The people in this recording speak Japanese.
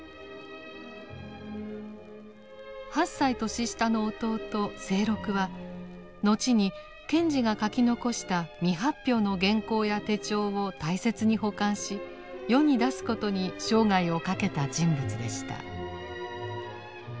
８歳年下の弟清六は後に賢治が書き残した未発表の原稿や手帳を大切に保管し世に出すことに生涯をかけた人物でした。